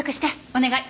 お願い。